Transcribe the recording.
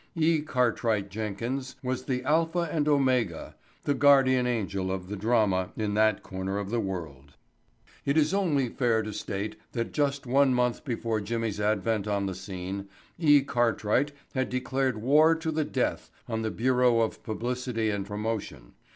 E. Cartwright Jenkins was the alpha and omega, the guardian angel of the drama in that corner of the world. It is only fair to state that just one month before Jimmy's advent on the scene, E. Cartwright had declared war to the death on the bureau of publicity and promotion.